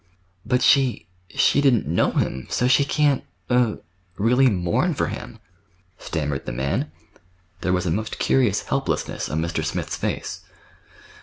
"But she—she didn't know him, so she can't—er—really mourn for him," stammered the man. There was a most curious helplessness on Mr. Smith's face.